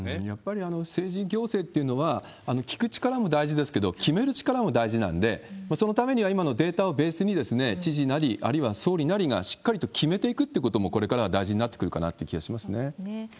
やっぱり政治、行政というのは聞く力も大事ですけれども、決める力も大事なんで、そのためには今のデータをベースに、知事なり、あるいは総理なりがしっかりと決めていくってことも、これからは大事になってくるかなって気はしますね。